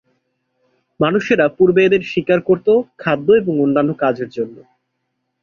মানুষেরা পূর্বে এদের শিকার করত খাদ্য এবং অন্যান্য কাজের জন্য।